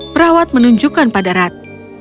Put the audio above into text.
perawat menunjukkan pada rat